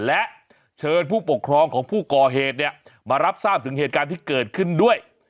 และเชิญผู้ปกครองของผู้ก่อเหตุเนี่ยมารับทราบถึงเหตุการณ์ที่เกิดขึ้นด้วย